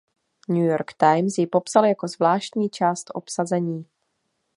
New York Times jí popsal jako "zvláštní část obsazení".